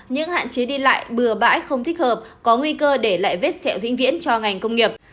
những hạn chế đi lại bừa bãi không thích hợp có nguy cơ để lại vết xẹo vĩnh viễn cho ngành công nghiệp